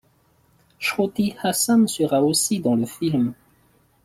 Shruti Hassan sera aussi dans le film.